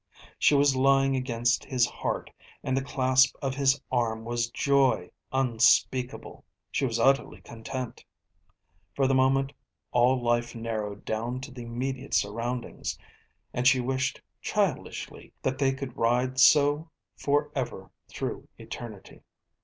She was lying against his heart, and the clasp of his arm was joy unspeakable. She was utterly content; for the moment all life narrowed down to the immediate surroundings, and she wished childishly that they could ride so for ever through eternity.